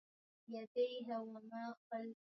Magonjwa yanayohusisha mimba kutoka